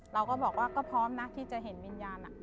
เราก็บอกว่าก็พร้อมนะที่จะเห็นวิญญาณ